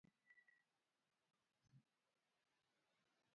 Rituru sabato mar Nyasaye